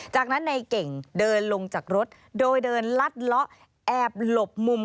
จากนั้นในเก่งเดินลงจากรถโดยเดินลัดเลาะแอบหลบมุม